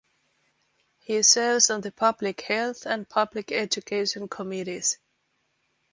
He serves on the Public Health and Public Education committees.